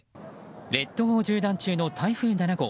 列島を縦断中の台風７号。